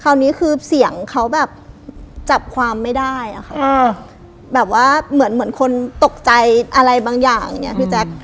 คราวนี้คือเสียงเขาแบบจับความไม่ได้อะค่ะแบบว่าเหมือนเหมือนคนตกใจอะไรบางอย่างอย่างเงี้พี่แจ๊ค